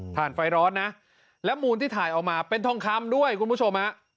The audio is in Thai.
ไฟร้อนนะและมูลที่ถ่ายออกมาเป็นทองคำด้วยคุณผู้ชมฮะ